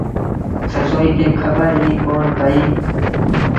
سسئيٚ کي کبر ئيٚ ڪونا پئيٚ۔